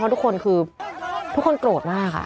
ทุกคนคือทุกคนโกรธมาก